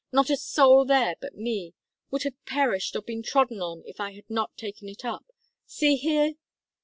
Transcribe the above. Not a soul there but me. Would have perished or been trodden on if I had not taken it up. See here!"